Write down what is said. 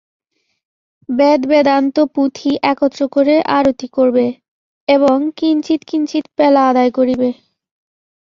বেদ বেদান্ত পুঁথি একত্র করে আরতি করবে, এবং কিঞ্চিৎ কিঞ্চিৎ পেলা আদায় করিবে।